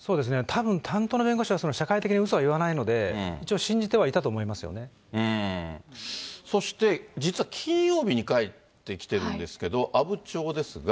たぶん担当の弁護士は社会的にうそは言わないと思うので、一応信そして、実は金曜日に返ってきてるんですけど、阿武町ですが。